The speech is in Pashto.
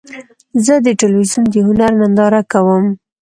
زه د تلویزیون د هنر ننداره کوم.